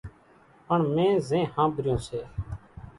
پڻ مين زين ۿانڀريون سي